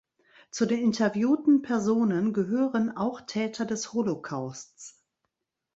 Zu den interviewten Personen gehören auch Täter des Holocausts.